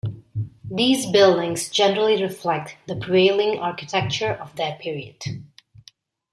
These buildings generally reflect the prevailing architecture of their period.